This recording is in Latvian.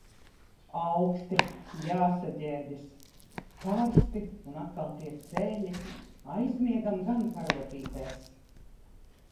Auksti, jāsaģērbjas. Karsti un atkal tie ceļi. Aizmiegam gan karotītēs.